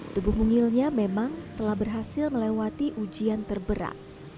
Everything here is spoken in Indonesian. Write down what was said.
tubuh mungilnya memang telah berhasil melewati ujian terberat